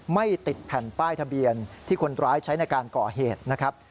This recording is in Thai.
ไม่ติดแผ่นป้ายทะเบียนที่คนร้ายใช้ในการก่อเหตุนะครับ